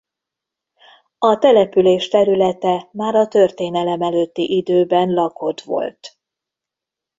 A település területe már a történelem előtti időben lakott volt.